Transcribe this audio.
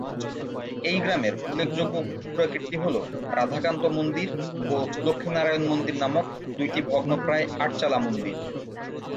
এই গ্রামের উল্লেখযোগ্য পুরাকীর্তি হল রাধাকান্ত মন্দির ও লক্ষ্মীনারায়ণ মন্দির নামক দুইটি ভগ্নপ্রায় আটচালা মন্দির।